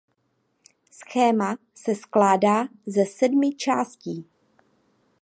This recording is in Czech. Schéma se skládá ze sedmi částí.